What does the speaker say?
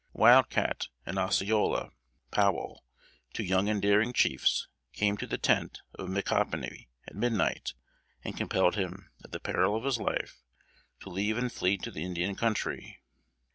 Wild Cat and Osceola (Powell), two young and daring chiefs, came to the tent of Micanopy, at midnight, and compelled him, at the peril of his life, to leave and flee to the Indian country.